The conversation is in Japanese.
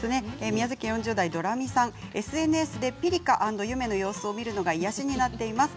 宮崎県４０代の方ＳＮＳでピリカとゆめの様子を見るのが癒やしになっています。